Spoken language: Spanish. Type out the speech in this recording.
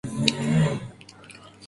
Nació en Gangseo-gu, Seúl, Corea del Sur.